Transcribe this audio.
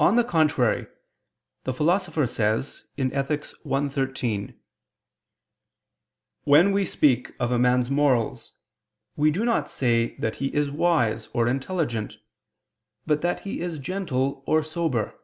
On the contrary, The Philosopher [says] (Ethic. i, 13): "When we speak of a man's morals, we do not say that he is wise or intelligent, but that he is gentle or sober."